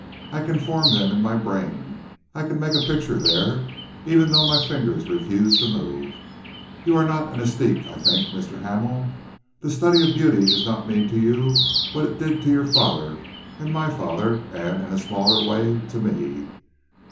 I can form them in my brain. I can make a picture there, even though my fingers refuse to move. You are not an aesthete, I think, Mr. Hamel? The study of beauty does not mean to you what it did to your father, and my father, and, in a smaller way to me."